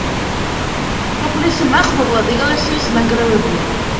სოფლის მახლობლად ეკლესიის ნანგრევებია.